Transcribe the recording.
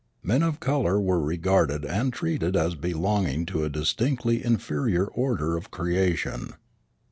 Men of color were regarded and treated as belonging to a distinctly inferior order of creation.